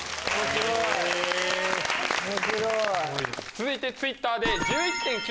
続いてＴｗｉｔｔｅｒで。